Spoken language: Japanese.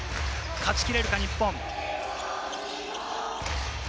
勝ちきれるか、日本。